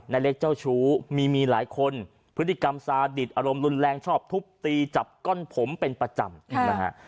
ในเล็กเจ้าชู้มีหลายคนพฤติกรรมซาดิตอารมณ์รุนแรงชอบทุบตีจับก้นผมเป็นประจำนะฮะ